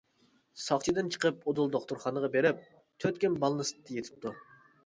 ساقچىدىن چىقىپ ئۇدۇل دوختۇرخانىغا بېرىپ، تۆت كۈن بالنىستتا يېتىپتۇ.